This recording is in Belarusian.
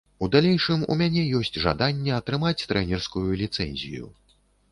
У далейшым у мяне ёсць жаданне атрымаць трэнерскую ліцэнзію.